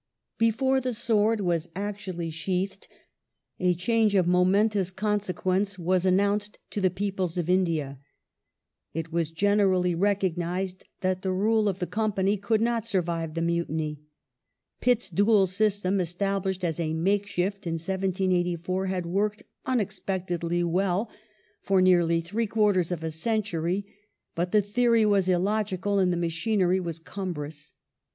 Before the sword was actually sheathed, a change of momentous End of consequence was announced to the peoples of India. It was gener J°^" ally recognized that the rule of the Company could not survive the British Mutiny. Pitt's dual system established as a makeshift in 1^784 [^^^^^^ had worked unexpectedly well for nearly three quarters of a centm y, ferred to but the theory was illogical and the machinery was cumbrous.